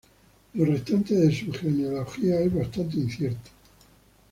Lo restante de su genealogía es bastante incierto.